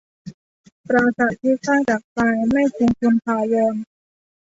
ปราสาทที่สร้างจากทรายไม่คงทนถาวร